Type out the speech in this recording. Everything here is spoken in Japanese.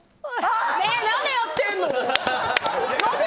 何やってんの？